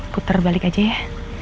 kuter balik aja ya